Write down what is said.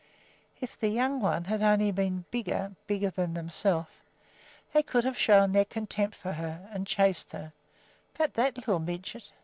If the "young one" had only been bigger, bigger than themselves, they could have shown their contempt for her and chased her; but that little midget!